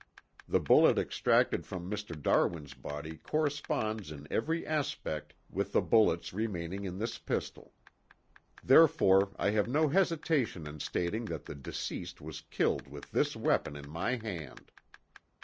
The bullet extracted from Mr. Darwin's body corresponds in every respect with the bullets remaining in this pistol. Therefore I have no hesitation in stating that the deceased was killed with this weapon in my hand."